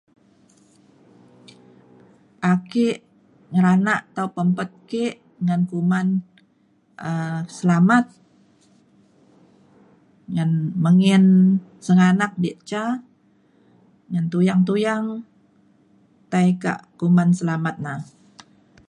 ake ngelanak atau pa pempet ke ngan kuman um selamat ngan mengin sengganak diak ca ngan tuyang tuyang tai kak kuman selamat na